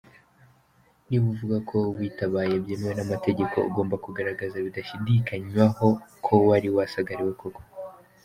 Niba uvuga ko “witabaye byemewe n’amategeko” ugomba kugaragaza bidashidikanywaho ko wari wasagariwe koko.